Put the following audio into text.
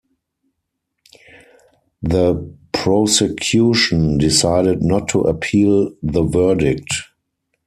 The prosecution decided not to appeal the verdict.